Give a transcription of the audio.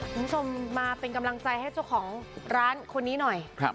ชมรฟิงงมาเป็นกำลังใจให้เจ้าของร้านคนนี้หน่อยครับ